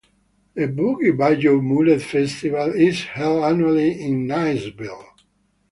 The Boggy Bayou Mullet Festival is held annually in Niceville.